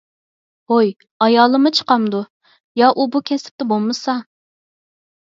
ھوي، ئايالىممۇ چىقامدۇ؟ يا ئۇ بۇ كەسىپتە بولمىسا.